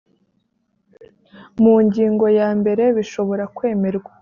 mu ngingo ya mbere bishobora kwemerwa